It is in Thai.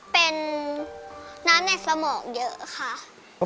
เป็นน้ำในสมองเยอะค่ะ